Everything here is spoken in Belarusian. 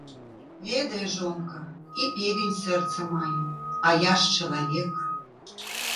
Ведай, жонка, і певень сэрца мае, а я ж чалавек.